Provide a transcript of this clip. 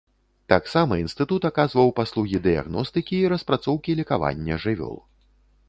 Таксама інстытут аказваў паслугі дыягностыкі і распрацоўкі лекавання жывёл.